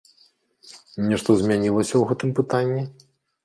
Нешта змянілася ў гэтым пытанні?